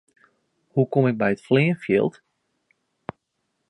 Hoe kom ik by it fleanfjild?